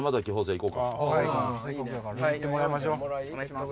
にぎってもらいましょ。